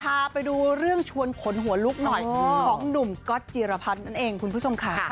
พาไปดูเรื่องชวนขนหัวลุกหน่อยของหนุ่มก๊อตจิรพัฒน์นั่นเองคุณผู้ชมค่ะ